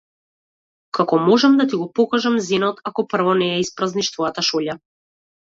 Како можам да ти го покажам зенот ако прво не ја испразниш твојата шолја?